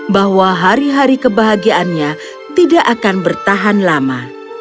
bahwa hari hari kebahagiaannya tidak akan bertahan lama